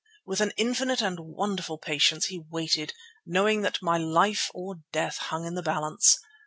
With an infinite and wonderful patience he waited, knowing that my life or death hung in the balance.